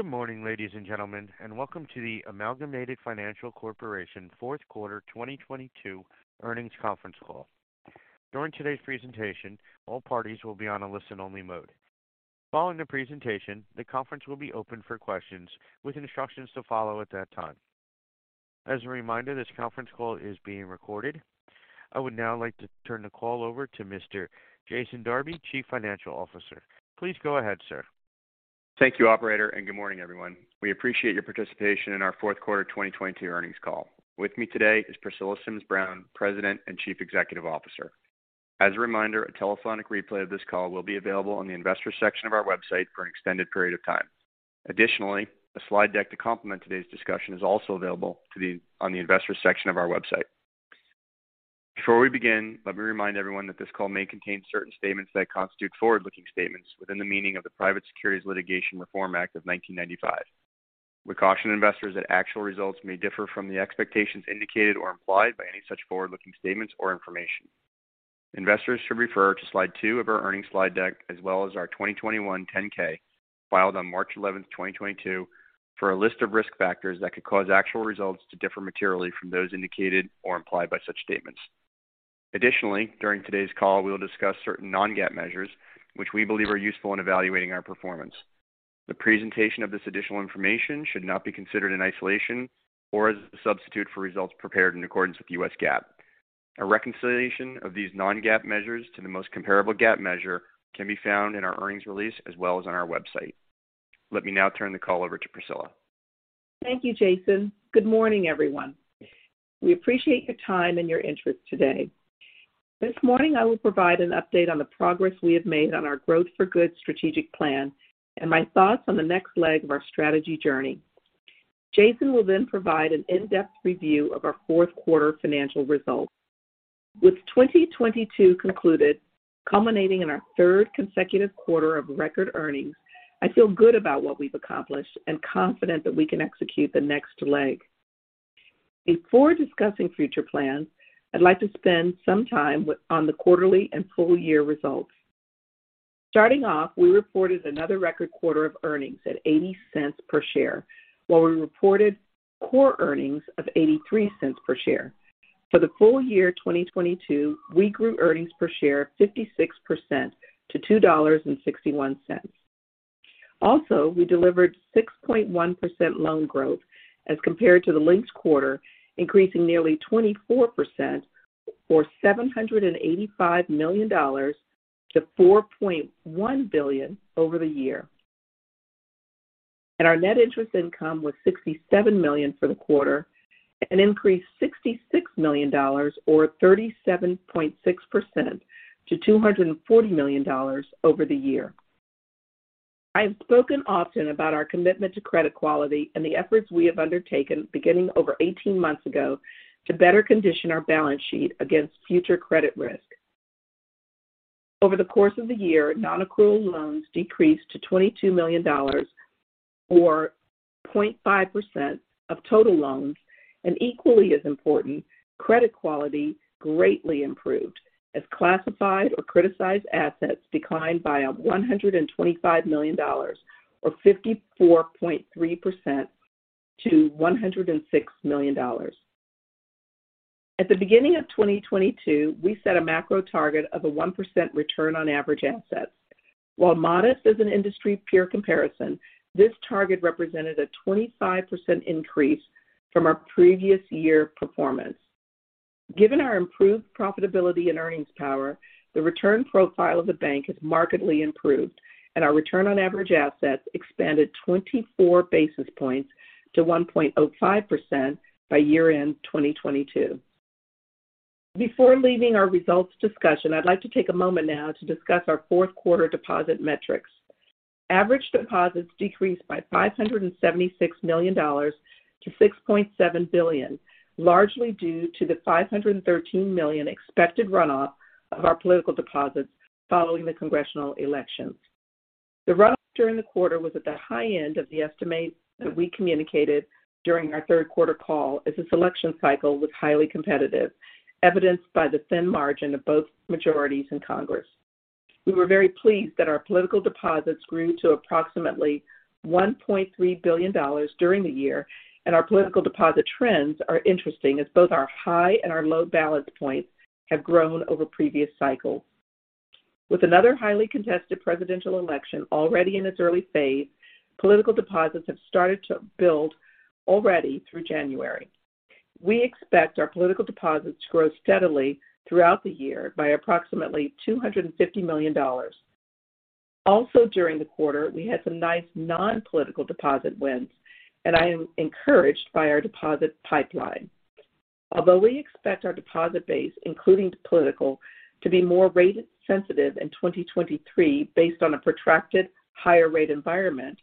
Good morning, ladies and gentlemen, welcome to the Amalgamated Financial Corp. Fourth Quarter 2022 Earnings Conference Call. During today's presentation, all parties will be on a listen-only mode. Following the presentation, the conference will be open for questions with instructions to follow at that time. As a reminder, this conference call is being recorded. I would now like to turn the call over to Mr. Jason Darby, Chief Financial Officer. Please go ahead, sir. Thank you, Operator, and good morning, everyone. We appreciate your participation in our fourth quarter 2022 earnings call. With me today is Priscilla Sims Brown, President and Chief Executive Officer. As a reminder, a telephonic replay of this call will be available on the investor section of our website for an extended period of time. Additionally, a slide deck to complement today's discussion is also available on the investor section of our website. Before we begin, let me remind everyone that this call may contain certain statements that constitute forward-looking statements within the meaning of the Private Securities Litigation Reform Act of 1995. We caution investors that actual results may differ from the expectations indicated or implied by any such forward-looking statements or information. Investors should refer to slide two of our earnings slide deck as well as our 2021 10-K filed on March 11th, 2022 for a list of risk factors that could cause actual results to differ materially from those indicated or implied by such statements. During today's call, we will discuss certain non-GAAP measures which we believe are useful in evaluating our performance. The presentation of this additional information should not be considered in isolation or as a substitute for results prepared in accordance with the U.S. GAAP. A reconciliation of these non-GAAP measures to the most comparable GAAP measure can be found in our earnings release as well as on our website. Let me now turn the call over to Priscilla. Thank you, Jason. Good morning, everyone. We appreciate your time and your interest today. This morning, I will provide an update on the progress we have made on our Growth for Good strategic plan and my thoughts on the next leg of our strategy journey. Jason will provide an in-depth review of our fourth quarter financial results. With 2022 concluded, culminating in our third consecutive quarter of record earnings, I feel good about what we've accomplished and confident that we can execute the next leg. Before discussing future plans, I'd like to spend some time on the quarterly and full-year results. Starting off, we reported another record quarter of earnings at $0.80 per share, while we reported core earnings of $0.83 per share. For the full year 2022, we grew earnings per share of 56% to $2.61. We delivered 6.1% loan growth as compared to the linked quarter, increasing nearly 24% or $785 million to $4.1 billion over the year. Our net interest income was $67 million for the quarter and increased $66 million or 37.6% to $240 million over the year. I have spoken often about our commitment to credit quality and the efforts we have undertaken beginning over 18 months ago to better condition our balance sheet against future credit risk. Over the course of the year, non-accrual loans decreased to $22 million or 0.5% of total loans. Equally as important, credit quality greatly improved as classified or criticized assets declined by $125 million or 54.3% to $106 million. At the beginning of 2022, we set a macro target of a 1% return on average assets. While modest as an industry peer comparison, this target represented a 25% increase from our previous year performance. Given our improved profitability and earnings power, the return profile of the bank has markedly improved, and our return on average assets expanded 24 basis points to 1.05% by year-end 2022. Before leaving our results discussion, I'd like to take a moment now to discuss our fourth quarter deposit metrics. Average deposits decreased by $576 million to $6.7 billion, largely due to the $513 million expected runoff of our political deposits following the congressional elections. The runoff during the quarter was at the high end of the estimates that we communicated during our third quarter call as this election cycle was highly competitive, evidenced by the thin margin of both majorities in Congress. We were very pleased that our political deposits grew to approximately $1.3 billion during the year. Our political deposit trends are interesting as both our high and our low balance points have grown over previous cycles. With another highly contested presidential election already in its early phase, political deposits have started to build already through January. We expect our political deposits to grow steadily throughout the year by approximately $250 million. During the quarter, we had some nice non-political deposit wins. I am encouraged by our deposit pipeline. Although we expect our deposit base, including political, to be more rate sensitive in 2023 based on a protracted higher rate environment,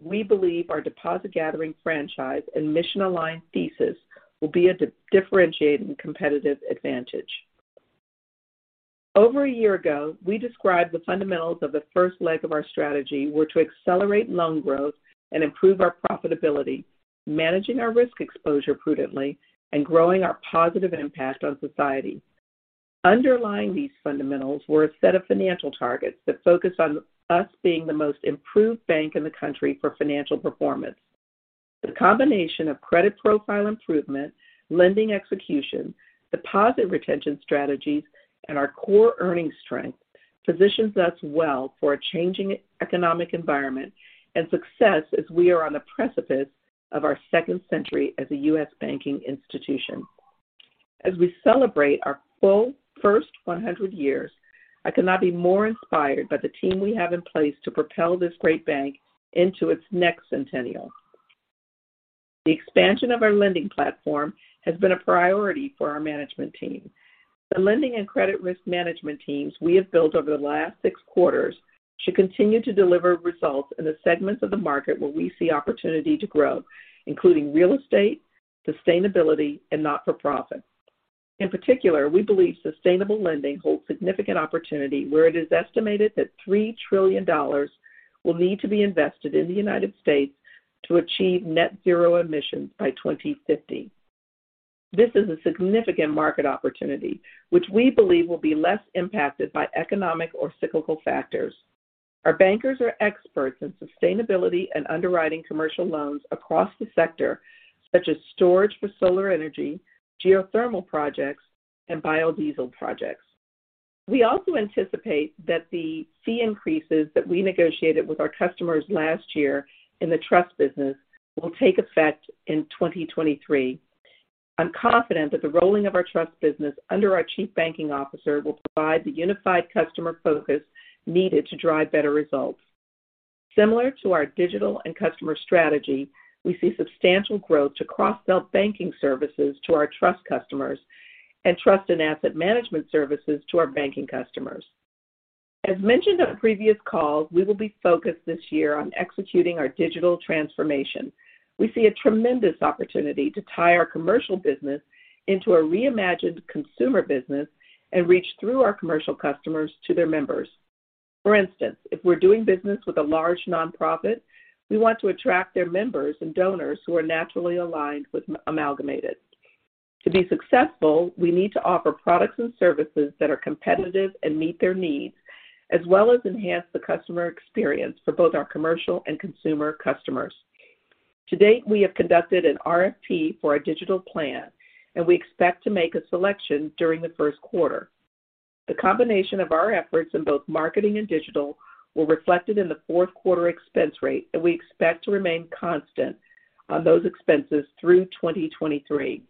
we believe our deposit-gathering franchise and mission-aligned thesis will be a differentiating competitive advantage. Over a year ago, we described the fundamentals of the first leg of our strategy were to accelerate loan growth and improve our profitability, managing our risk exposure prudently, and growing our positive impact on society. Underlying these fundamentals were a set of financial targets that focus on us being the most improved bank in the country for financial performance. The combination of credit profile improvement, lending execution, deposit retention strategies, and our core earnings strength positions us well for a changing economic environment and success as we are on the precipice of our second century as a U.S. banking institution. As we celebrate our full first 100 years, I could not be more inspired by the team we have in place to propel this great bank into its next centennial. The expansion of our lending platform has been a priority for our management team. The lending and credit risk management teams we have built over the last six quarters should continue to deliver results in the segments of the market where we see opportunity to grow, including real estate, sustainability, and not-for-profit. In particular, we believe sustainable lending holds significant opportunity where it is estimated that $3 trillion will need to be invested in the United States to achieve net zero emissions by 2050. This is a significant market opportunity, which we believe will be less impacted by economic or cyclical factors. Our bankers are experts in sustainability and underwriting commercial loans across the sector, such as storage for solar energy, geothermal projects, and biodiesel projects. We also anticipate that the fee increases that we negotiated with our customers last year in the trust business will take effect in 2023. I'm confident that the rolling of our trust business under our chief banking officer will provide the unified customer focus needed to drive better results. Similar to our digital and customer strategy, we see substantial growth to cross-sell banking services to our trust customers and trust and asset management services to our banking customers. As mentioned on previous calls, we will be focused this year on executing our digital transformation. We see a tremendous opportunity to tie our commercial business into a reimagined consumer business and reach through our commercial customers to their members. For instance, if we're doing business with a large nonprofit, we want to attract their members and donors who are naturally aligned with Amalgamated. To be successful, we need to offer products and services that are competitive and meet their needs, as well as enhance the customer experience for both our commercial and consumer customers. To date, we have conducted an RFP for a digital plan, and we expect to make a selection during the first quarter. The combination of our efforts in both marketing and digital were reflected in the fourth quarter expense rate that we expect to remain constant on those expenses through 2023.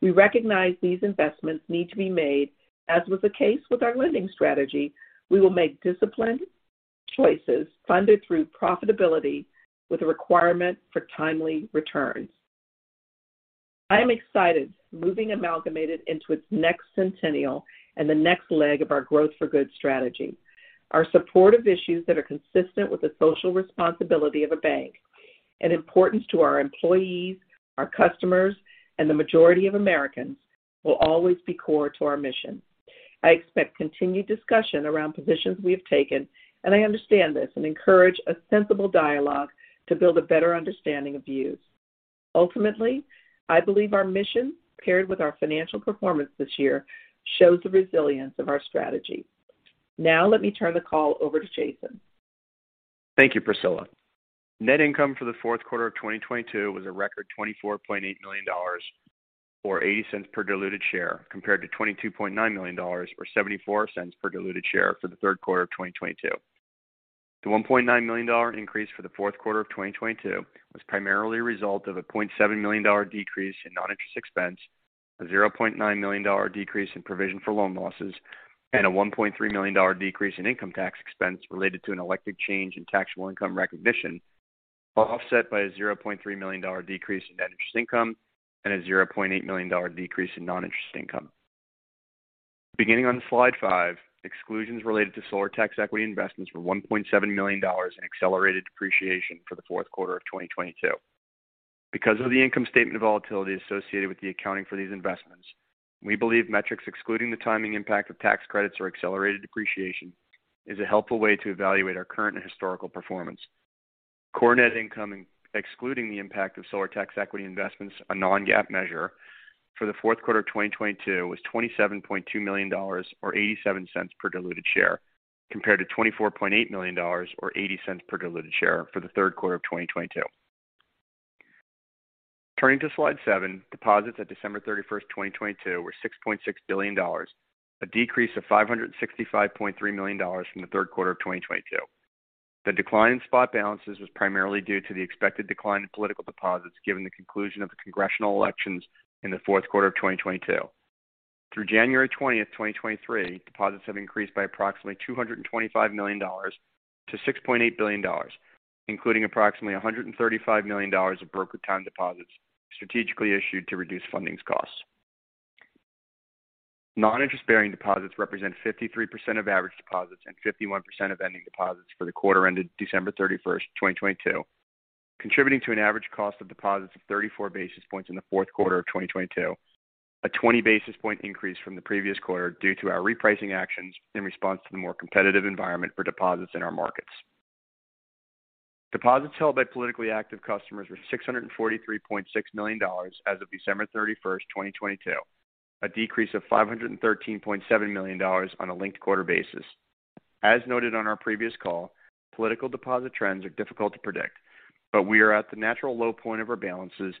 We recognize these investments need to be made. As was the case with our lending strategy, we will make disciplined choices funded through profitability with a requirement for timely returns. I am excited moving Amalgamated into its next centennial and the next leg of our Growth for Good strategy. Our supportive issues that are consistent with the social responsibility of a bank and importance to our employees, our customers, and the majority of Americans will always be core to our mission. I expect continued discussion around positions we have taken, and I understand this and encourage a sensible dialogue to build a better understanding of views. Ultimately, I believe our mission paired with our financial performance this year shows the resilience of our strategy. Now let me turn the call over to Jason. Thank you, Priscilla. Net income for the fourth quarter of 2022 was a record $24.8 million, or $0.80 per diluted share, compared to $22.9 million or $0.74 per diluted share for the third quarter of 2022. The $1.9 million increase for the fourth quarter of 2022 was primarily a result of a $0.7 million decrease in non-interest expense, a $0.9 million decrease in provision for loan losses, and a $1.3 million decrease in income tax expense related to an electric change in taxable income recognition, offset by a $0.3 million decrease in net interest income and a $0.8 million decrease in non-interest income. Beginning on slide five, exclusions related to solar tax equity investments were $1.7 million in accelerated depreciation for the fourth quarter of 2022. Because of the income statement volatility associated with the accounting for these investments, we believe metrics excluding the timing impact of tax credits or accelerated depreciation is a helpful way to evaluate our current and historical performance. Core net income excluding the impact of solar tax equity investments, a non-GAAP measure for the fourth quarter of 2022 was $27.2 million or $0.87 per diluted share, compared to $24.8 million or $0.80 per diluted share for the third quarter of 2022. Turning to slide seven, deposits at December 31st, 2022 were $6.6 billion, a decrease of $565.3 million from the third quarter of 2022. The decline in spot balances was primarily due to the expected decline in political deposits given the conclusion of the congressional elections in the fourth quarter of 2022. Through January 20th, 2023, deposits have increased by approximately $225 million to $6.8 billion, including approximately $135 million of brokered time deposits strategically issued to reduce fundings costs. Non-interest-bearing deposits represent 53% of average deposits and 51% of ending deposits for the quarter ended December 31st, 2022, contributing to an average cost of deposits of 34 basis points in the fourth quarter of 2022, a 20 basis point increase from the previous quarter due to our repricing actions in response to the more competitive environment for deposits in our markets. Deposits held by politically active customers were $643.6 million as of December 31st, 2022. A decrease of $513.7 million on a linked quarter basis. As noted on our previous call, political deposit trends are difficult to predict, but we are at the natural low point of our balances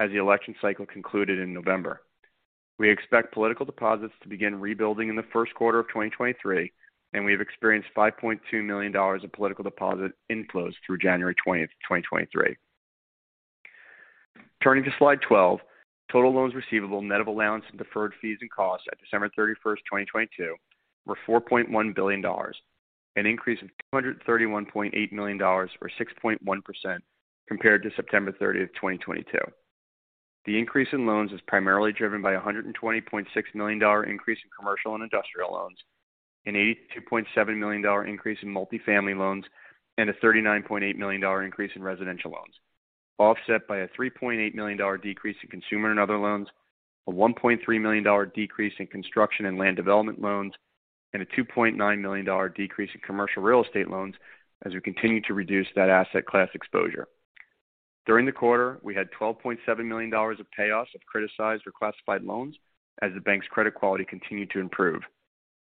as the election cycle concluded in November. We expect political deposits to begin rebuilding in the first quarter of 2023. We have experienced $5.2 million of political deposit inflows through January 20th, 2023. Turning to slide 12, total loans receivable net of allowance and deferred fees and costs at December 31st, 2022 were $4.1 billion, an increase of $231.8 million or 6.1% compared to September 30th, 2022. The increase in loans is primarily driven by a $120.6 million increase in Commercial and Industrial loans, an $82.7 million increase in multifamily loans, and a $39.8 million increase in residential loans. Offset by a $3.8 million decrease in consumer and other loans, a $1.3 million decrease in construction and land development loans, and a $2.9 million decrease in commercial real estate loans as we continue to reduce that asset class exposure. During the quarter, we had $12.7 million of payoffs of criticized or classified loans as the bank's credit quality continued to improve.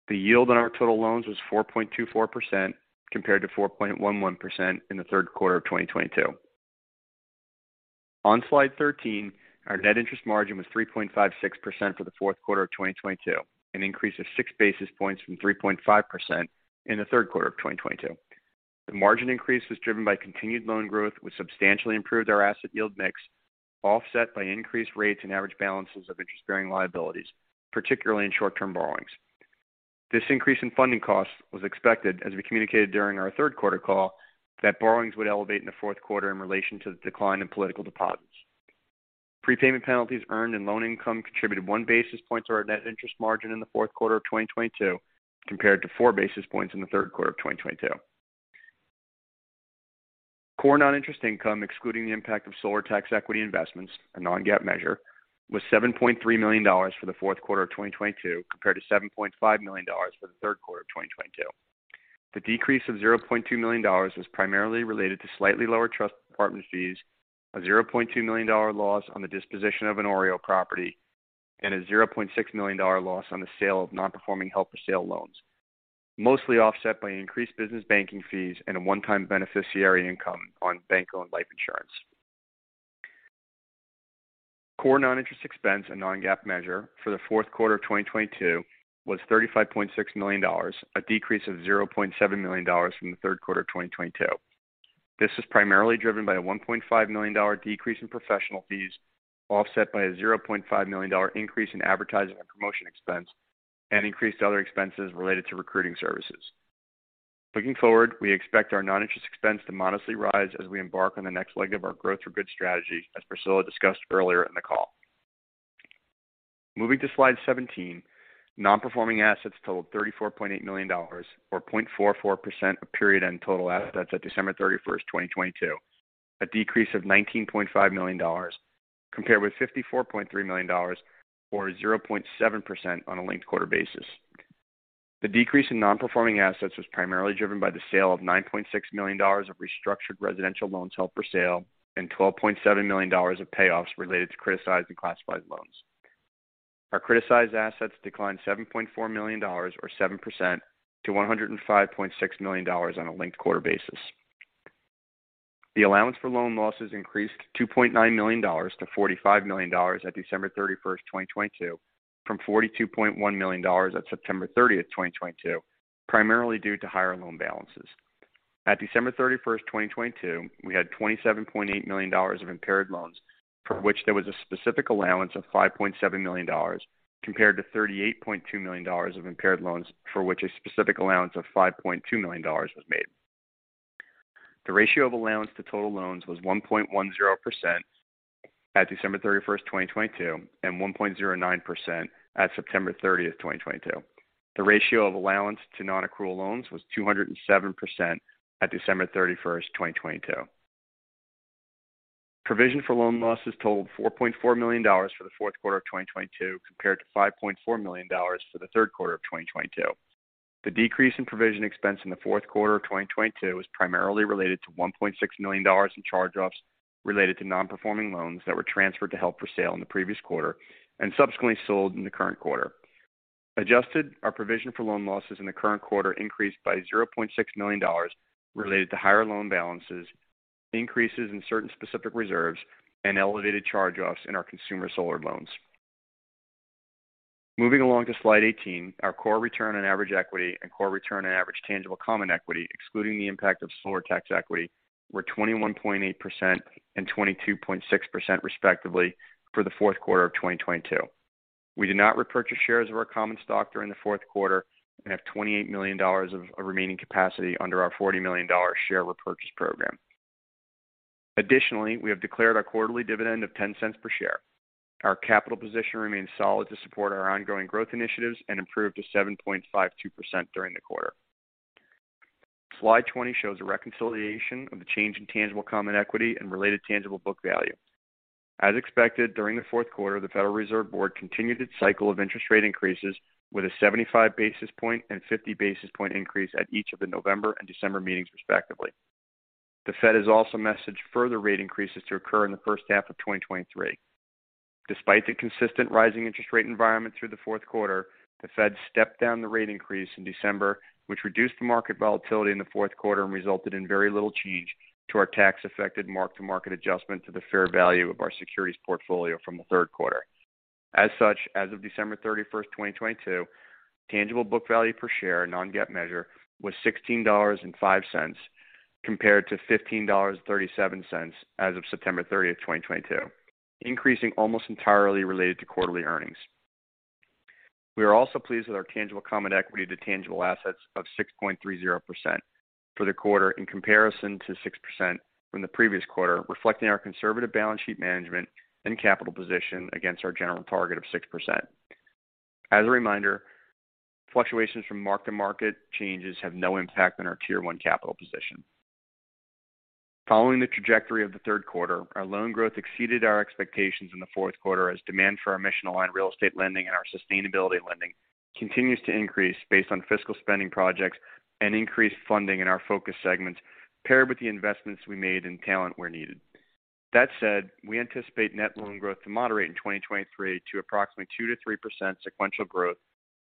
The yield on our total loans was 4.24% compared to 4.11% in the third quarter of 2022. On slide 13, our net interest margin was 3.56% for the fourth quarter of 2022, an increase of six basis points from 3.5% in the third quarter of 2022. The margin increase was driven by continued loan growth, which substantially improved our asset yield mix, offset by increased rates and average balances of interest-bearing liabilities, particularly in short-term borrowings. This increase in funding costs was expected, as we communicated during our third quarter call, that borrowings would elevate in the fourth quarter in relation to the decline in political deposits. Prepayment penalties earned and loan income contributed one basis point to our net interest margin in the fourth quarter of 2022, compared to four basis points in the third quarter of 2022. Core non-interest income, excluding the impact of solar tax equity investments, a non-GAAP measure, was $7.3 million for the fourth quarter of 2022, compared to $7.5 million for the third quarter of 2022. The decrease of $0.2 million was primarily related to slightly lower trust department fees, a $0.2 million loss on the disposition of an OREO property, and a $0.6 million loss on the sale of non-performing held-for-sale loans. Mostly offset by increased business banking fees and a one-time beneficiary income on bank-owned life insurance. Core non-interest expense and non-GAAP measure for the fourth quarter of 2022 was $35.6 million, a decrease of $0.7 million from the third quarter of 2022. This is primarily driven by a $1.5 million decrease in professional fees, offset by a $0.5 million increase in advertising and promotion expense, and increased other expenses related to recruiting services. Looking forward, we expect our non-interest expense to modestly rise as we embark on the next leg of our Growth for Good strategy, as Priscilla discussed earlier in the call. Moving to slide 17, non-performing assets totaled $34.8 million or 0.44% of period-end total assets at December 31st, 2022. A decrease of $19.5 million compared with $54.3 million or 0.7% on a linked quarter basis. The decrease in non-performing assets was primarily driven by the sale of $9.6 million of restructured residential loans held-for-sale and $12.7 million of payoffs related to criticized and classified loans. Our criticized assets declined $7.4 million or 7% to $105.6 million on a linked quarter basis. The allowance for loan losses increased $2.9 million to $45 million at December 31st, 2022, from $42.1 million at September 30th, 2022, primarily due to higher loan balances. At December 31st, 2022, we had $27.8 million of impaired loans, for which there was a specific allowance of $5.7 million compared to $38.2 million of impaired loans for which a specific allowance of $5.2 million was made. The ratio of allowance to total loans was 1.10% at December 31st, 2022 and 1.09% at September 30th, 2022. The ratio of allowance to non-accrual loans was 207% at December 31st, 2022. Provision for loan losses totaled $4.4 million for the fourth quarter of 2022 compared to $5.4 million for the third quarter of 2022. The decrease in provision expense in the fourth quarter of 2022 was primarily related to $1.6 million in charge-offs related to Non-Performing Loans that were transferred to held-for-sale in the previous quarter and subsequently sold in the current quarter. Adjusted our provision for loan losses in the current quarter increased by $0.6 million related to higher loan balances, increases in certain specific reserves, and elevated charge-offs in our consumer solar loans. Moving along to slide 18, our core return on average equity and core return on average tangible common equity, excluding the impact of solar tax equity, were 21.8% and 22.6% respectively for the fourth quarter of 2022. We did not repurchase shares of our common stock during the fourth quarter and have $28 million of remaining capacity under our $40 million share repurchase program. Additionally, we have declared our quarterly dividend of $0.10 per share. Our capital position remains solid to support our ongoing growth initiatives and improved to 7.52% during the quarter. Slide 20 shows a reconciliation of the change in tangible common equity and related tangible book value. As expected, during the fourth quarter, the Federal Reserve Board continued its cycle of interest rate increases with a 75 basis point and 50 basis point increase at each of the November and December meetings, respectively. The Fed has also messaged further rate increases to occur in the first half of 2023. Despite the consistent rising interest rate environment through the fourth quarter, the Fed stepped down the rate increase in December, which reduced the market volatility in the fourth quarter and resulted in very little change to our tax-affected mark-to-market adjustment to the fair value of our securities portfolio from the third quarter. As such, as of December 31st, 2022, tangible book value per share, a non-GAAP measure, was $16.05 compared to $15.37 as of September 30th, 2022, increasing almost entirely related to quarterly earnings. We are also pleased with our tangible common equity to tangible assets of 6.30% for the quarter in comparison to 6% from the previous quarter, reflecting our conservative balance sheet management and capital position against our general target of 6%. As a reminder, fluctuations from mark-to-market changes have no impact on our Tier 1 capital position. Following the trajectory of the third quarter, our loan growth exceeded our expectations in the fourth quarter as demand for our mission-aligned real estate lending and our sustainability lending continues to increase based on fiscal spending projects and increased funding in our focus segments, paired with the investments we made in talent where needed. That said, we anticipate net loan growth to moderate in 2023 to approximately 2%-3% sequential growth,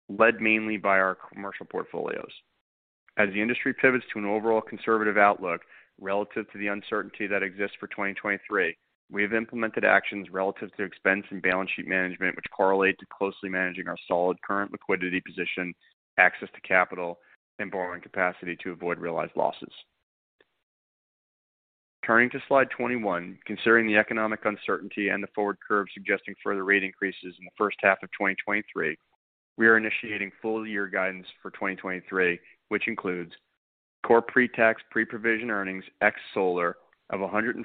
led mainly by our commercial portfolios. As the industry pivots to an overall conservative outlook relative to the uncertainty that exists for 2023, we have implemented actions relative to expense and balance sheet management, which correlate to closely managing our solid current liquidity position, access to capital, and borrowing capacity to avoid realized losses. Turning to slide 21, considering the economic uncertainty and the forward curve suggesting further rate increases in the first half of 2023, we are initiating full-year guidance for 2023, which includes core pre-tax, pre-provision earnings ex solar of $142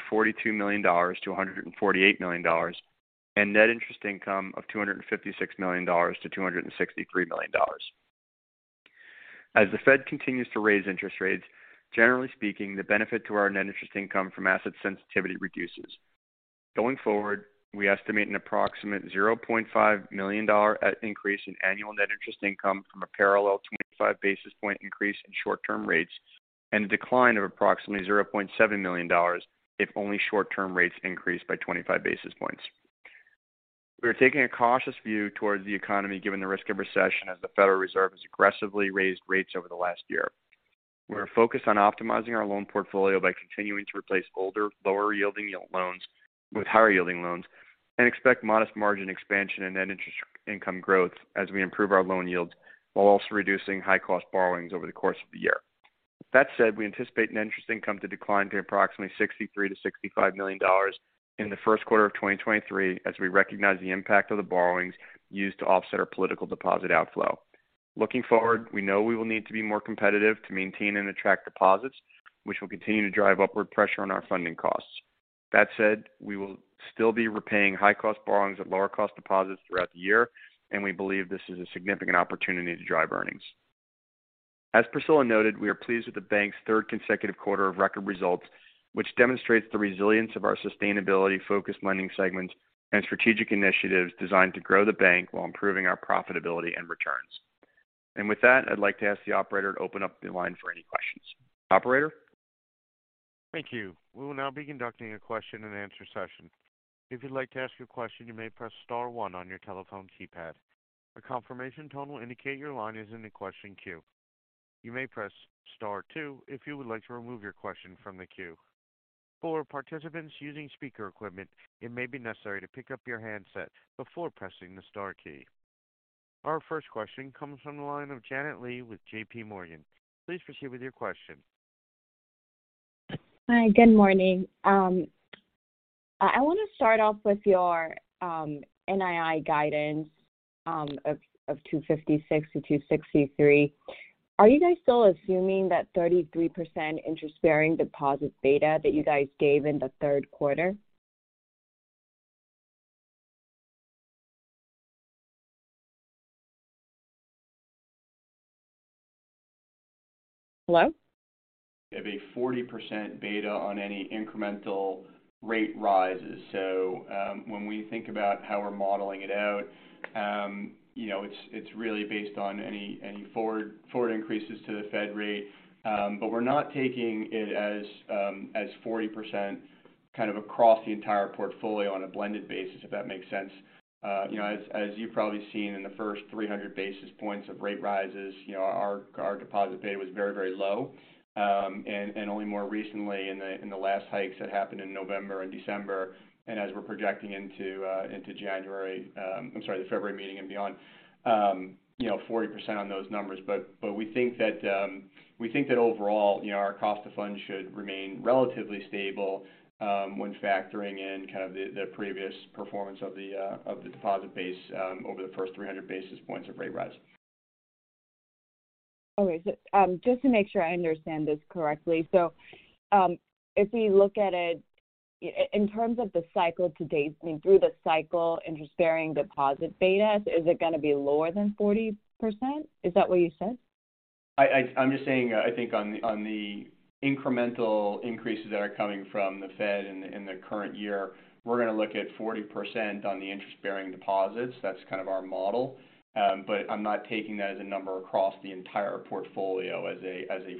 million-$148 million and net interest income of $256 million-$263 million. As the Fed continues to raise interest rates, generally speaking, the benefit to our net interest income from asset sensitivity reduces. Going forward, we estimate an approximate $0.5 million increase in annual net interest income from a parallel 25 basis point increase in short-term rates and a decline of approximately $0.7 million if only short-term rates increase by 25 basis points. We are taking a cautious view towards the economy given the risk of recession as the Federal Reserve has aggressively raised rates over the last year. We are focused on optimizing our loan portfolio by continuing to replace older, lower-yielding loans with higher-yielding loans and expect modest margin expansion and net interest income growth as we improve our loan yields while also reducing high-cost borrowings over the course of the year. That said, we anticipate net interest income to decline to approximately $63 million-$65 million in the first quarter of 2023 as we recognize the impact of the borrowings used to offset our political deposit outflow. Looking forward, we know we will need to be more competitive to maintain and attract deposits, which will continue to drive upward pressure on our funding costs. That said, we will still be repaying high-cost borrowings at lower cost deposits throughout the year. We believe this is a significant opportunity to drive earnings. As Priscilla noted, we are pleased with the bank's third consecutive quarter of record results, which demonstrates the resilience of our sustainability-focused lending segments and strategic initiatives designed to grow the bank while improving our profitability and returns. With that, I'd like to ask the operator to open up the line for any questions. Operator? Thank you. We will now be conducting a question and answer session. If you'd like to ask a question, you may press star one on your telephone keypad. A confirmation tone will indicate your line is in the question queue. You may press star two if you would like to remove your question from the queue. For participants using speaker equipment, it may be necessary to pick up your handset before pressing the star key. Our first question comes from the line of Janet Lee with JPMorgan. Please proceed with your question. Hi. Good morning. I want to start off with your NII guidance of $256-$263. Are you guys still assuming that 33% interest-bearing deposit beta that you guys gave in the third quarter? Hello? Of a 40% beta on any incremental rate rises. When we think about how we're modeling it out, you know, it's really based on any forward increases to the Fed rate. But we're not taking it as 40% kind of across the entire portfolio on a blended basis if that makes sense. You know, as you've probably seen in the first 300 basis points of rate rises, you know, our deposit beta was very low. Only more recently in the last hikes that happened in November and December, and as we're projecting into January, I'm sorry, the February meeting and beyond, you know, 40% on those numbers. We think that overall, you know, our cost of funds should remain relatively stable, when factoring in kind of the previous performance of the deposit base, over the first 300 basis points of rate rise. Okay. Just to make sure I understand this correctly. If we look at it in terms of the cycle to date, I mean, through the cycle interest-bearing deposit betas, is it gonna be lower than 40%? Is that what you said? I'm just saying, I think on the incremental increases that are coming from the Fed in the current year, we're gonna look at 40% on the interest-bearing deposits. That's kind of our model. I'm not taking that as a number across the entire portfolio. I'm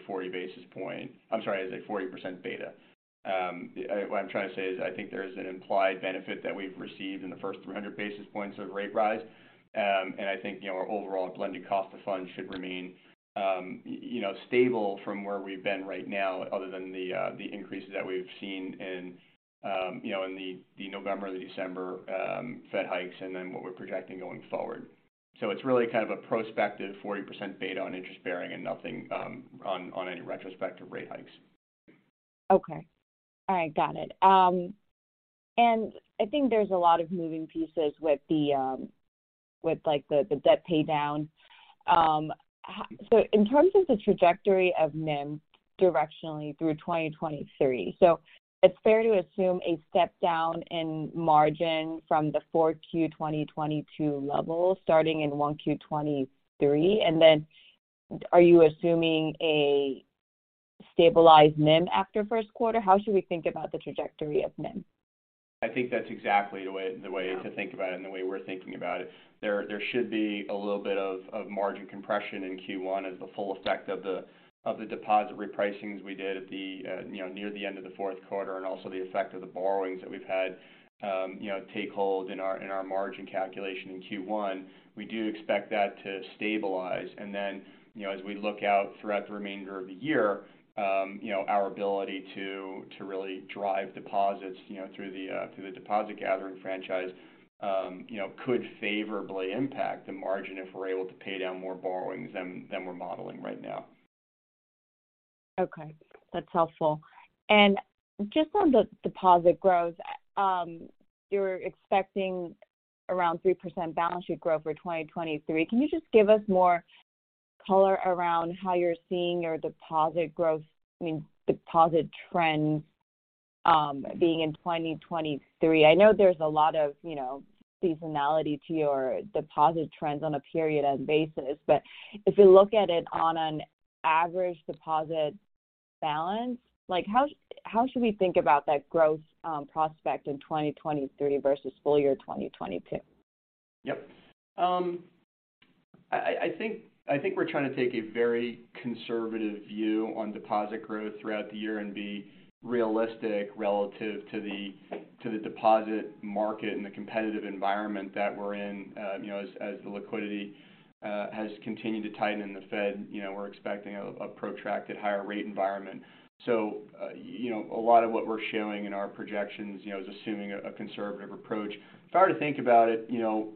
sorry, as a 40% beta. What I'm trying to say is, I think there's an implied benefit that we've received in the first 300 basis points of rate rise. I think, you know, our overall blended cost of funds should remain, you know, stable from where we've been right now other than the increases that we've seen in, you know, in the November or the December Fed hikes and then what we're projecting going forward. It's really kind of a prospective 40% beta on interest-bearing and nothing, on any retrospective rate hikes. Okay. All right, got it. I think there's a lot of moving pieces with the, with like the debt pay down. So in terms of the trajectory of NIM directionally through 2023. It's fair to assume a step down in margin from the 4Q 2022 levels starting in 1Q 2023. Are you assuming a stabilized NIM after first quarter? How should we think about the trajectory of NIM? I think that's exactly the way to think about it and the way we're thinking about it. There should be a little bit of margin compression in Q1 as the full effect of the deposit repricings we did at the, you know, near the end of the fourth quarter and also the effect of the borrowings that we've had, you know, take hold in our, in our margin calculation in Q1. We do expect that to stabilize. Then, you know, as we look out throughout the remainder of the year, you know, our ability to really drive deposits, you know, through the, through the deposit gathering franchise, you know, could favorably impact the margin if we're able to pay down more borrowings than we're modeling right now. Okay. That's helpful. Just on the deposit growth, you're expecting around 3% balance sheet growth for 2023. Can you just give us more color around how you're seeing your deposit trends being in 2023? I know there's a lot of, you know, seasonality to your deposit trends on a period end basis. If you look at it on an average deposit balance, like how should we think about that growth prospect in 2023 versus full year 2022? Yep. I think we're trying to take a very conservative view on deposit growth throughout the year and be realistic relative to the deposit market and the competitive environment that we're in. You know, as the liquidity has continued to tighten in the Fed, you know, we're expecting a protracted higher rate environment. You know, a lot of what we're showing in our projections, you know, is assuming a conservative approach. If I were to think about it, you know,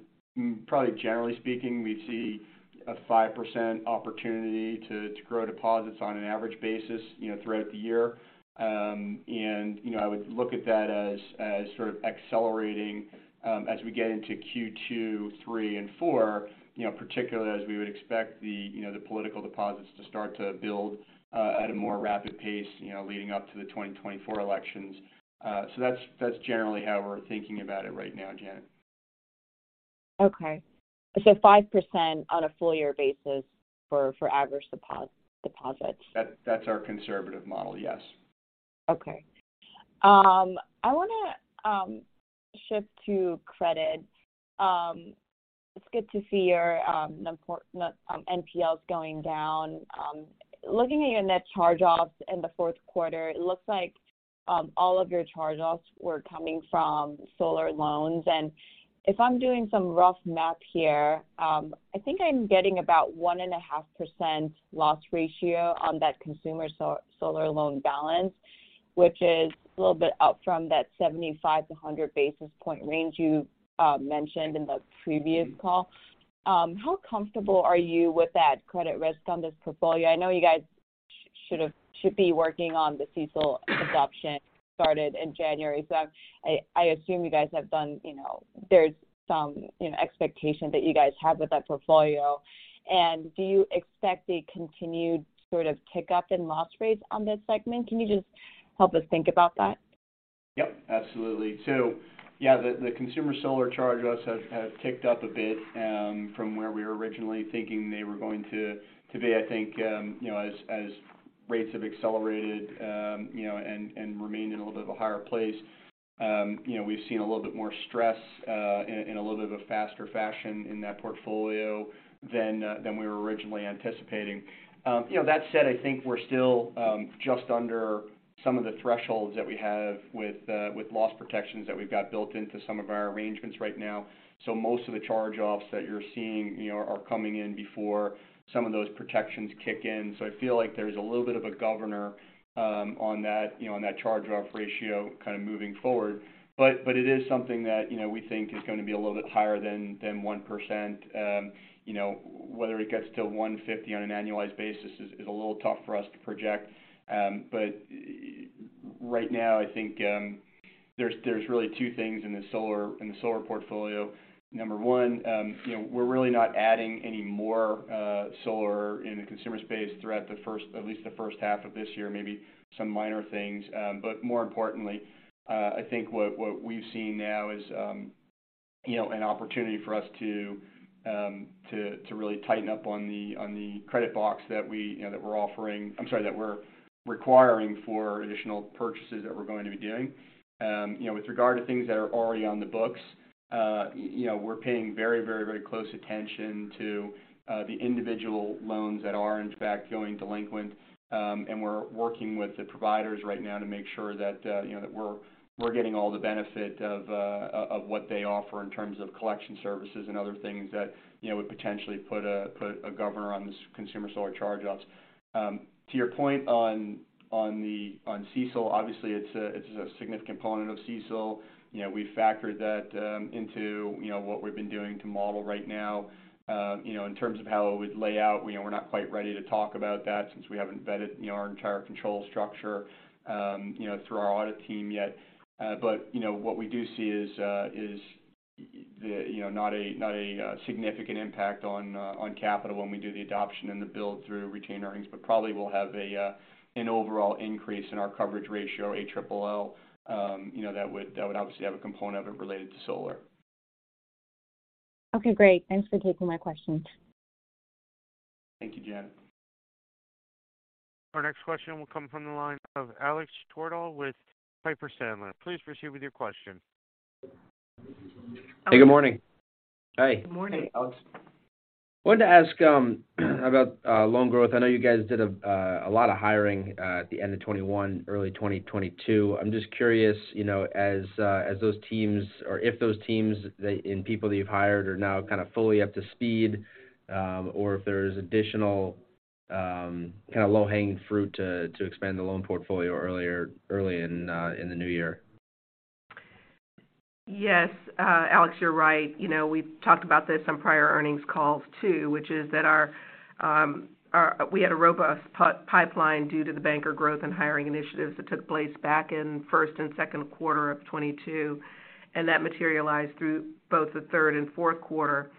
probably generally speaking, we'd see a 5% opportunity to grow deposits on an average basis, you know, throughout the year. You know, I would look at that as sort of accelerating, as we get into Q2, three and four, you know, particularly as we would expect the, you know, the political deposits to start to build, at a more rapid pace, you know, leading up to the 2024 elections. That's, that's generally how we're thinking about it right now, Janet. Okay. 5% on a full year basis for average deposits. That's our conservative model, yes. Okay. I wanna shift to credit. It's good to see your NPLs going down. Looking at your net charge-offs in the fourth quarter, it looks like all of your charge-offs were coming from solar loans. If I'm doing some rough math here, I think I'm getting about 1.5% loss ratio on that consumer solar loan balance, which is a little bit up from that 75-100 basis point range you mentioned in the previous call. How comfortable are you with that credit risk on this portfolio? I know you guys should be working on the CECL adoption started in January. I assume you guys have done, you know, there's some, you know, expectation that you guys have with that portfolio. Do you expect a continued sort of tick up in loss rates on that segment? Can you just help us think about that? Yep, absolutely. Yeah, the consumer solar charge-offs have ticked up a bit from where we were originally thinking they were going to be. I think, you know, as rates have accelerated, you know, and remained in a little bit of a higher place, you know, we've seen a little bit more stress in a little bit of a faster fashion in that portfolio than we were originally anticipating. You know, that said, I think we're still just under some of the thresholds that we have with loss protections that we've got built into some of our arrangements right now. Most of the charge-offs that you're seeing, you know, are coming in before some of those protections kick in. I feel like there's a little bit of a governor, on that, you know, on that charge-off ratio kind of moving forward. It is something that, you know, we think is going to be a little bit higher than 1%. You know, whether it gets to 1.50% on an annualized basis is a little tough for us to project. Right now, I think, there's really two things in the solar portfolio. Number one, you know, we're really not adding any more solar in the consumer space throughout at least the first half of this year, maybe some minor things. More importantly, I think what we've seen now is, you know, an opportunity for us to really tighten up on the credit box that we, you know, that we're offering. I'm sorry, that we're requiring for additional purchases that we're going to be doing. You know, with regard to things that are already on the books, you know, we're paying very, very, very close attention to the individual loans that are in fact going delinquent. We're working with the providers right now to make sure that, you know, that we're getting all the benefit of what they offer in terms of collection services and other things that, you know, would potentially put a governor on this consumer solar charge-offs. To your point on CECL, obviously it's a significant component of CECL. You know, we factored that into, you know, what we've been doing to model right now. You know, in terms of how it would lay out, you know, we're not quite ready to talk about that since we haven't vetted, you know, our entire control structure, you know, through our audit team yet. What we do see is the, you know, not a significant impact on capital when we do the adoption and the build through retained earnings. Probably we'll have an overall increase in our coverage ratio, a triple O, you know, that would obviously have a component of it related to solar. Okay, great. Thanks for taking my questions. Thank you, Jane. Our next question will come from the line of Alex Twerdahl with Piper Sandler. Please proceed with your question. Hey, good morning. Hi. Good morning. Hey, Alex. Wanted to ask about loan growth. I know you guys did a lot of hiring at the end of 2021, early 2022. I'm just curious, you know, as those teams or if those teams and people that you've hired are now kind of fully up to speed, or if there's additional kind of low-hanging fruit to expand the loan portfolio early in the new year. Yes, Alex, you're right. You know, we've talked about this on prior earnings calls too, which is that our we had a robust pipeline due to the banker growth and hiring initiatives that took place back in first and second quarter of 2022, and that materialized through both the third and fourth quarter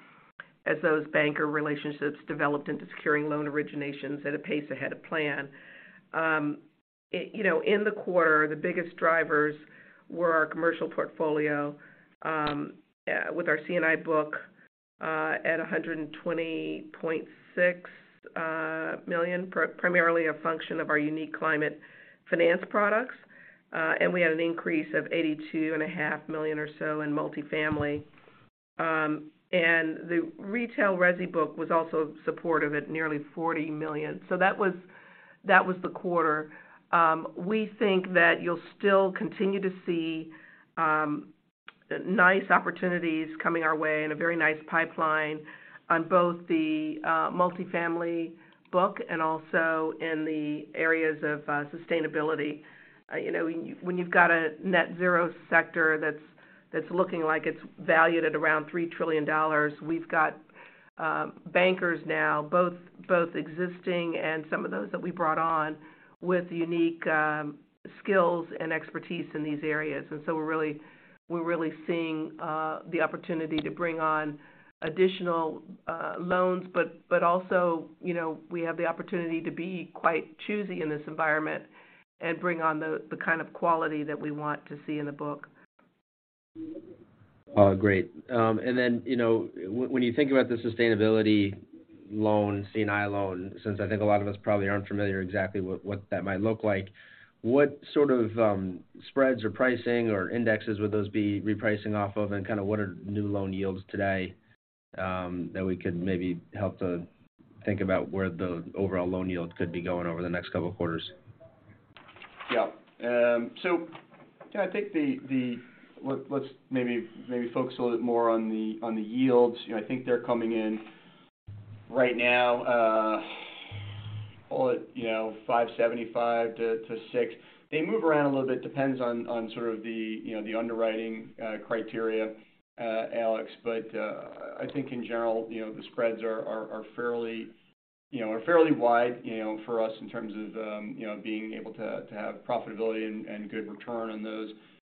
as those banker relationships developed into securing loan originations at a pace ahead of plan. You know, in the quarter, the biggest drivers were our commercial portfolio, with our C&I book, at $120.6 million, primarily a function of our unique climate finance products. And we had an increase of $82.5 million or so in multifamily. The retail resi book was also supportive at nearly $40 million. That was, that was the quarter. We think that you'll still continue to see nice opportunities coming our way and a very nice pipeline on both the multifamily book and also in the areas of sustainability. You know, when you've got a net zero sector that's looking like it's valued at around $3 trillion, we've got bankers now, both existing and some of those that we brought on, with unique skills and expertise in these areas. We're really seeing the opportunity to bring on additional loans. Also, you know, we have the opportunity to be quite choosy in this environment and bring on the kind of quality that we want to see in the book. Oh, great. Then, you know, when you think about the sustainability loan, C&I loan, since I think a lot of us probably aren't familiar exactly what that might look like, what sort of spreads or pricing or indexes would those be repricing off of? Kind of what are new loan yields today that we could maybe help to think about where the overall loan yield could be going over the next couple of quarters? Yeah. Let's maybe focus a little bit more on the, on the yields. You know, I think they're coming in right now, call it, you know, 5.75%-6%. They move around a little bit. Depends on sort of the, you know, the underwriting criteria, Alex. I think in general, you know, the spreads are fairly wide, you know, for us in terms of, you know, being able to have profitability and good return on those.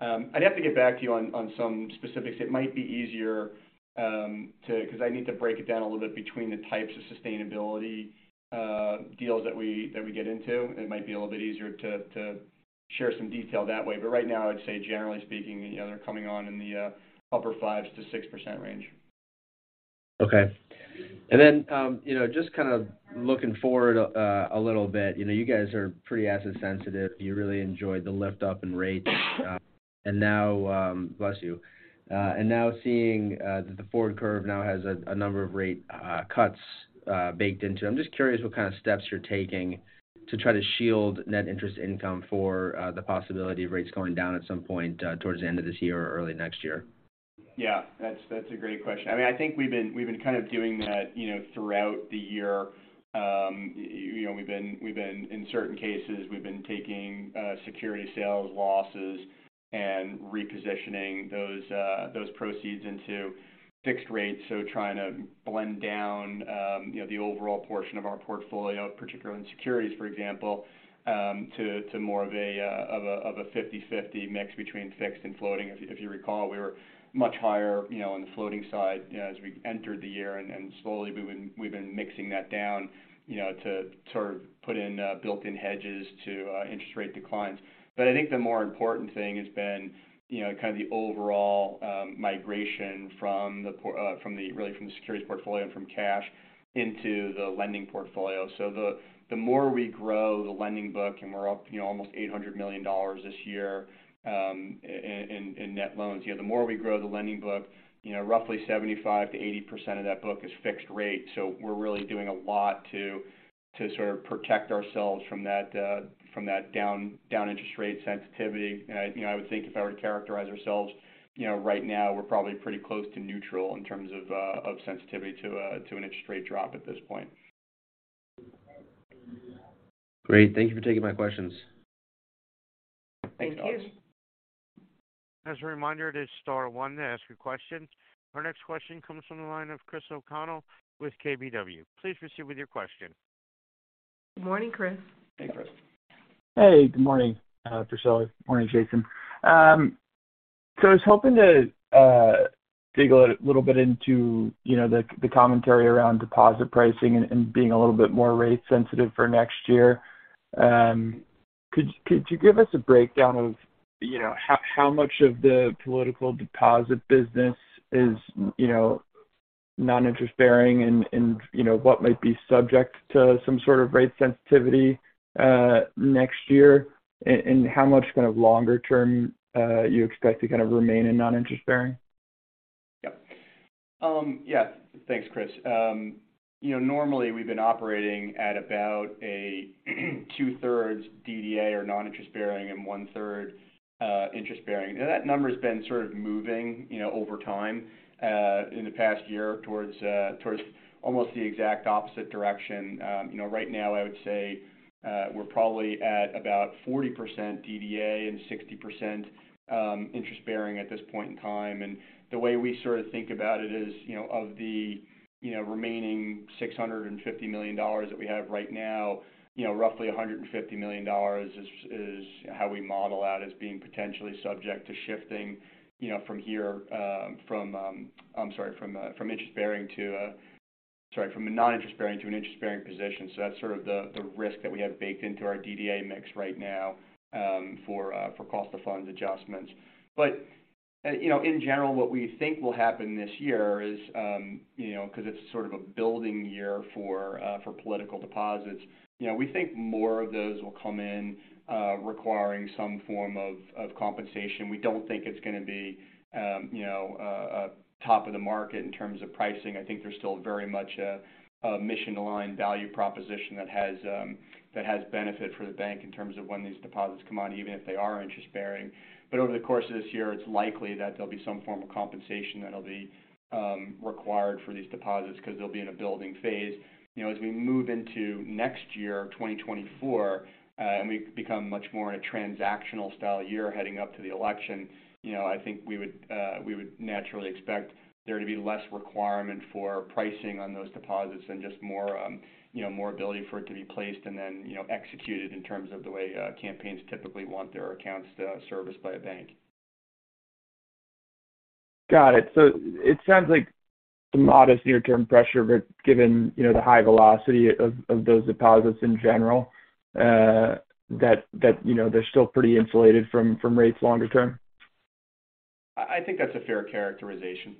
I'd have to get back to you on some specifics. It might be easier. 'Cause I need to break it down a little bit between the types of sustainability deals that we get into. It might be a little bit easier to share some detail that way. Right now, I'd say generally speaking, you know, they're coming on in the upper 5%-6% range. Okay. you know, just kind of looking forward a little bit, you know, you guys are pretty asset sensitive. You really enjoyed the lift up in rates. Bless you. seeing that the forward curve now has a number of rate cuts baked into them, just curious what kind of steps you're taking to try to shield net interest income for the possibility of rates going down at some point towards the end of this year or early next year. Yeah, that's a great question. I mean, I think we've been kind of doing that, you know, throughout the year. You know, we've been in certain cases, we've been taking security sales losses and repositioning those proceeds into fixed rates. Trying to blend down, you know, the overall portion of our portfolio, particularly in securities, for example, to more of a 50/50 mix between fixed and floating. If you recall, we were much higher, you know, on the floating side as we entered the year, slowly we've been mixing that down, you know, to sort of put in built-in hedges to interest rate declines. I think the more important thing has been, you know, kind of the overall migration from the really from the securities portfolio and from cash into the lending portfolio. The, the more we grow the lending book, and we're up, you know, almost $800 million this year, in net loans. You know, the more we grow the lending book, you know, roughly 75%-80% of that book is fixed rate. We're really doing a lot to sort of protect ourselves from that from that down interest rate sensitivity. I, you know, I would think if I were to characterize ourselves, you know, right now we're probably pretty close to neutral in terms of sensitivity to a, to an interest rate drop at this point. Great. Thank you for taking my questions. Thanks, Alex. Thank you. As a reminder, it is star one to ask your question. Our next question comes from the line of Christopher O'Connell with KBW. Please proceed with your question. Morning, Chris. Hey, Chris. Hey, good morning, Priscilla. Morning, Jason. I was hoping to dig a little bit into, you know, the commentary around deposit pricing and being a little bit more rate sensitive for next year. Could you give us a breakdown of, you know, how much of the political deposit business is, you know, non-interest bearing and, you know, what might be subject to some sort of rate sensitivity next year? How much kind of longer term, you expect to kind of remain in non-interest bearing? Yep. Yeah. Thanks, Chris. You know, normally we've been operating at about a 2/3 DDA or non-interest bearing and 1/3 interest bearing. That number's been sort of moving, you know, over time in the past year towards almost the exact opposite direction. You know, right now I would say we're probably at about 40% DDA and 60% interest bearing at this point in time. The way we sort of think about it is, you know, of the, you know, remaining $650 million that we have right now, you know, roughly $150 million is how we model out as being potentially subject to shifting, you know, from here, I'm sorry, from a non-interest bearing to an interest bearing position. That's sort of the risk that we have baked into our DDA mix right now, for cost of funds adjustments. You know, in general, what we think will happen this year is, you know, because it's sort of a building year for political deposits, you know, we think more of those will come in, requiring some form of compensation. We don't think it's going to be, you know, top of the market in terms of pricing. I think there's still very much a mission-aligned value proposition that has, that has benefit for the bank in terms of when these deposits come on, even if they are interest bearing. Over the course of this year, it's likely that there'll be some form of compensation that'll be required for these deposits because they'll be in a building phase. You know, as we move into next year, 2024, and we become much more in a transactional style year heading up to the election, you know, I think we would naturally expect there to be less requirement for pricing on those deposits and just more, you know, more ability for it to be placed and then, you know, executed in terms of the way campaigns typically want their accounts serviced by a bank. Got it. It sounds like some modest near-term pressure, but given, you know, the high velocity of those deposits in general, that, you know, they're still pretty insulated from rates longer term. I think that's a fair characterization.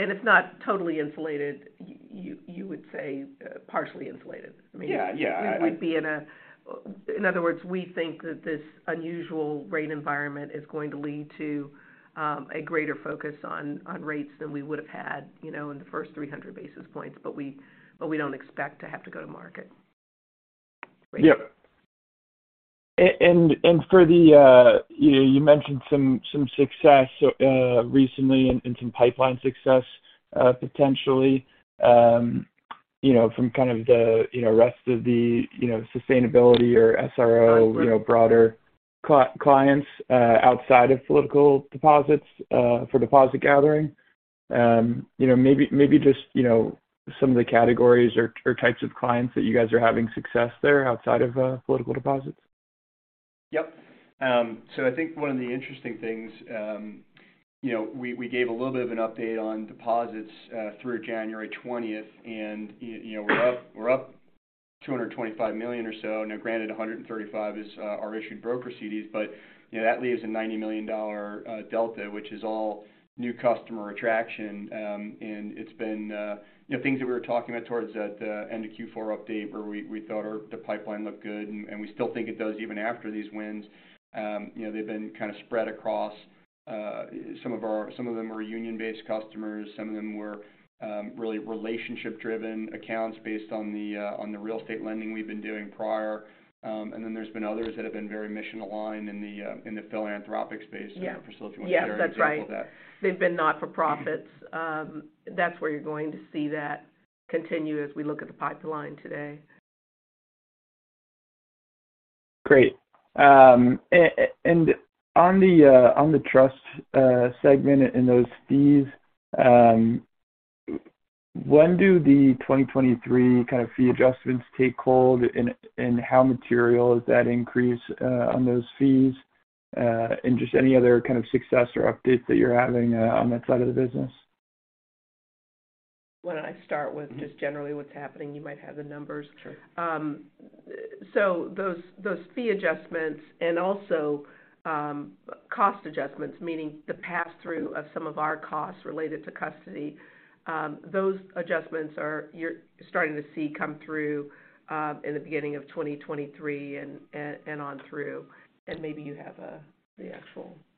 It's not totally insulated, you would say, partially insulated. I mean. Yeah. Yeah. In other words, we think that this unusual rate environment is going to lead to a greater focus on rates than we would have had, you know, in the first 300 basis points, but we don't expect to have to go to market. Yep. For the, you know, you mentioned some success recently and some pipeline success potentially, you know, from kind of the, you know, rest of the, you know, sustainability or. That's right. You know, broader clients, outside of political deposits, for deposit gathering. You know, maybe just, you know, some of the categories or types of clients that you guys are having success there outside of political deposits? Yep. I think one of the interesting things, you know, we gave a little bit of an update on deposits through January 20th, and, you know, we're up $225 million or so. Now granted, $135 million is our issued brokered CDs, but, you know, that leaves a $90 million delta, which is all new customer attraction. It's been, you know, things that we were talking about towards the end of Q4 update where we thought the pipeline looked good, and we still think it does even after these wins. You know, they've been kind of spread across, some of them are union-based customers, some of them were really relationship-driven accounts based on the real estate lending we've been doing prior. There's been others that have been very mission-aligned in the philanthropic space. Yeah. Priscilla, do you want to share an example of that? Yes, that's right. They've been not-for-profits. That's where you're going to see that. Continue as we look at the pipeline today. Great. On the on the trust segment and those fees, when do the 2023 kind of fee adjustments take hold? How material is that increase on those fees? Just any other kind of success or updates that you're having on that side of the business. Why don't I start with just generally what's happening. You might have the numbers. Sure. Those fee adjustments and also cost adjustments, meaning the pass-through of some of our costs related to custody, those adjustments are you're starting to see come through in the beginning of 2023 and on through. maybe you have.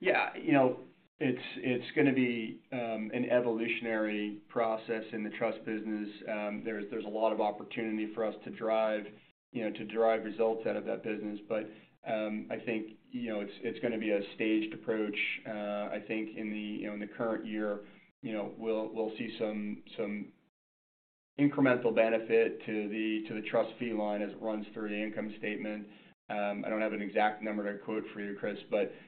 Yeah. You know, it's gonna be an evolutionary process in the trust business. There's a lot of opportunity for us to drive, you know, to drive results out of that business. I think, you know, it's gonna be a staged approach. I think in the, you know, in the current year, we'll see some incremental benefit to the trust fee line as it runs through the income statement. I don't have an exact number to quote for you, Chris.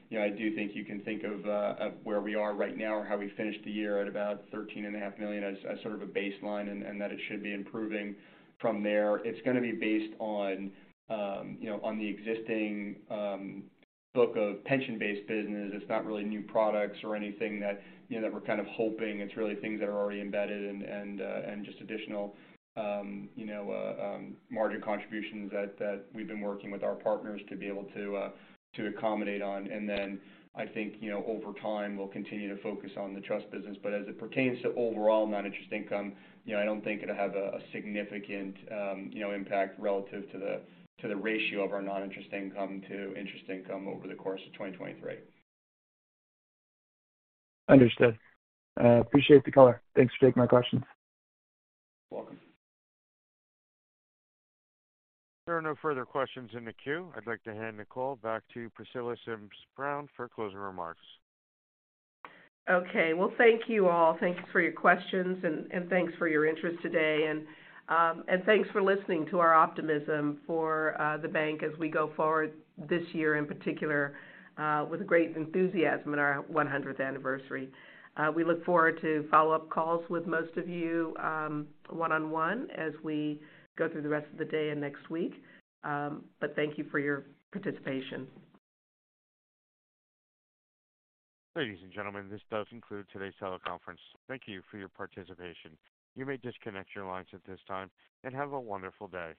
You know, I do think you can think of where we are right now or how we finished the year at about $13 and a half million as sort of a baseline and that it should be improving from there. It's gonna be based on, you know, on the existing book of pension-based business. It's not really new products or anything that, you know, that we're kind of hoping. It's really things that are already embedded and just additional, you know, margin contributions that we've been working with our partners to be able to accommodate on. I think, you know, over time, we'll continue to focus on the trust business. As it pertains to overall non-interest income, you know, I don't think it'll have a significant, you know, impact relative to the, to the ratio of our non-interest income to interest income over the course of 2023. Understood. Appreciate the color. Thanks for taking my question. Welcome. There are no further questions in the queue. I'd like to hand the call back to Priscilla Sims Brown for closing remarks. Okay. Well, thank you all. Thanks for your questions and thanks for your interest today. Thanks for listening to our optimism for the bank as we go forward this year in particular, with great enthusiasm in our 100th anniversary. We look forward to follow-up calls with most of you, one-on-one as we go through the rest of the day and next week. Thank you for your participation. Ladies and gentlemen, this does conclude today's teleconference. Thank you for your participation. You may disconnect your lines at this time, and have a wonderful day.